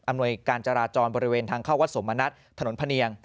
หน่วยการจราจรบริเวณทางเข้าวัดสมณัฐถนนพะเนียง